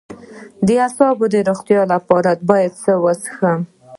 د اعصابو د روغتیا لپاره باید څنګه اوسم؟